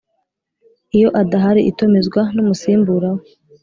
iyo adahari itumizwa n umusimbura we